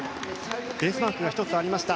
ベースマークが１つありました。